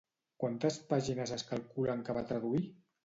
Quantes pàgines es calculen que va traduir?